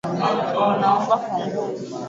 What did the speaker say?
Wanaomba kwa nguvu.